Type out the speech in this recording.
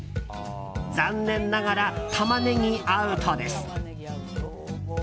残念ながらタマネギ、アウトです。